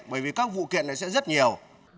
bởi vì các vụ kiện này sẽ rất nhiều